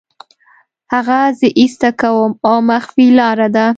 هغه زه ایسته کوم او مخفي لاره ده